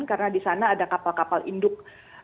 karena di sana ada kapal kapal induk